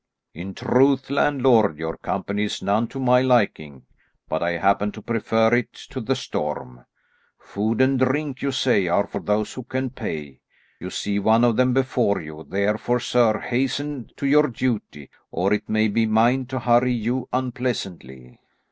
"In truth, landlord, your company is none to my liking, but I happen to prefer it to the storm. Food and drink, you say, are for those who can pay; you see one of them before you, therefore, sir, hasten to your duty, or it may be mine to hurry you unpleasantly."